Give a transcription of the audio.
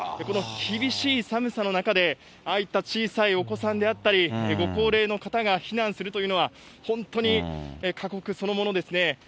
この厳しい寒さの中で、ああいった小さいお子さんであったり、ご高齢の方が避難するというのは、本当に過酷そのものですね。